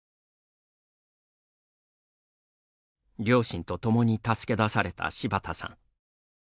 両親と共に助け出された柴田さん。